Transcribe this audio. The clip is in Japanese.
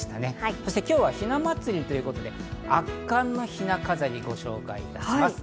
そして今日はひな祭りということで圧巻のひな飾り、ご紹介いたします。